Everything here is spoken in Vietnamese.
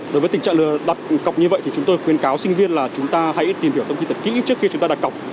đối với tình trạng đặt cọc như vậy thì chúng tôi khuyên cáo sinh viên là chúng ta hãy tìm hiểu thông tin thật kỹ trước khi chúng ta đặt cọc